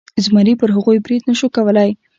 زمري پر هغوی برید نشو کولی.